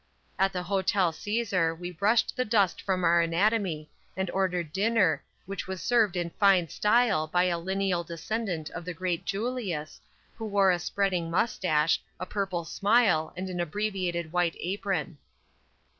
At the "Hotel Cæsar" we brushed the dust from our anatomy, and ordered dinner, which was served in fine style by a lineal descendant of the great Julius, who wore a spreading mustache, a purple smile and an abbreviated white apron.